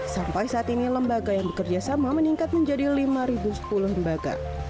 sampai saat ini lembaga yang bekerja sama meningkat menjadi lima sepuluh lembaga